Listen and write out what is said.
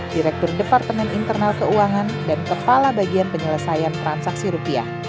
direktur departemen internal keuangan dan kepala bagian penyelesaian transaksi rupiah